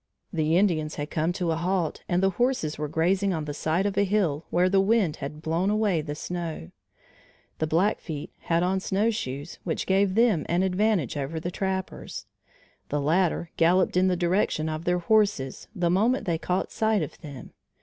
The Indians had come to a halt and the horses were grazing on the side of a hill where the wind had blown away the snow. The Blackfeet had on snowshoes which gave them an advantage over the trappers. The latter galloped in the direction of their horses, the moment they caught sight of them.